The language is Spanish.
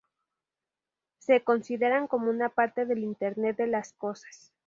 Se consideran como una parte del Internet de las cosas.